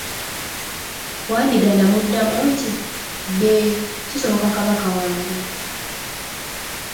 Wandiga n'amuddamu nti, yee, kisoboka kabaka wange.